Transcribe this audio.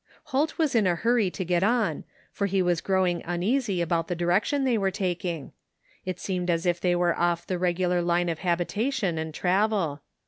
Holt was in a hurry to get on, for he was growing uneasy about the direction they were taking. It seemed as if they were off the regular line of habitation and travel.